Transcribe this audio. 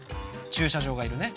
駐車場がいるね。